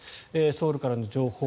ソウルからの情報